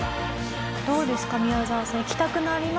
どうですか？